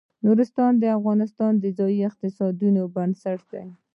نورستان د افغانستان د ځایي اقتصادونو بنسټ دی.